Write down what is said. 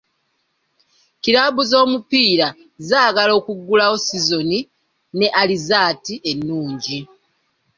Kiraabu z'omupiira zaagala okuggulawo sizoni ne alizaati ennungi.